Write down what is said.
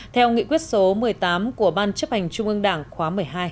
theo nghị quyết số một mươi tám của ban chấp hành trung ương đảng khóa một mươi hai